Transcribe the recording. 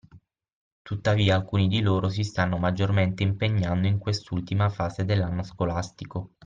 Tuttavia alcuni di loro si stanno maggiormente impegnando in quest’ultima fase dell’anno scolastico.